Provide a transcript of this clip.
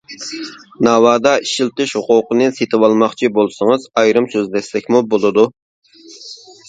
ناۋادا، ئىشلىتىش ھوقۇقىنى سېتىۋالماقچى بولسىڭىز ئايرىم سۆزلەشسەكمۇ بولىدۇ.